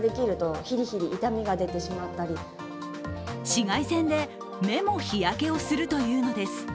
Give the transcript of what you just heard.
紫外線で、目も日焼けをするというのです。